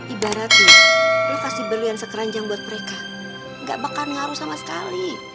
ibaratnya lo kasih belian sekeranjang buat mereka gak bakal ngaruh sama sekali